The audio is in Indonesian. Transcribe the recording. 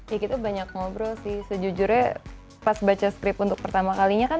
ya kita banyak ngobrol sih sejujurnya pas baca script untuk pertama kalinya kan